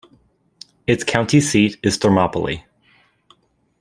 Its county seat is Thermopolis.